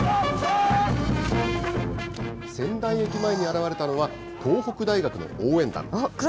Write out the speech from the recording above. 仙台駅前に現れたのは、東北大学の応援団。